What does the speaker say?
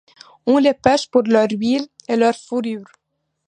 On les pêche pour leur huile et leur fourrure.